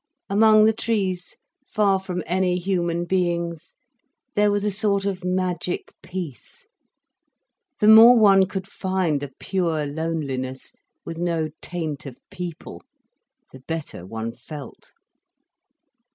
Among the trees, far from any human beings, there was a sort of magic peace. The more one could find a pure loneliness, with no taint of people, the better one felt.